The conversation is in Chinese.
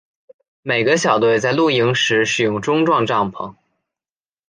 每个小队在露营时使用钟状帐篷。